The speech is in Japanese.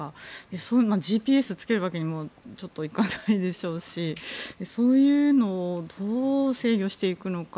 そういうＧＰＳをつけるわけにもいかないでしょうしそういうのをどう制御していくのか。